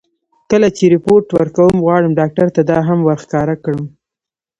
کله چې رېپورټ ورکوم، غواړم ډاکټر ته دا هم ور ښکاره کړم.